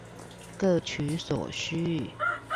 各取所需